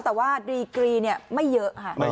แต่ว่าดีกรีเนี่ยไม่เยอะค่ะ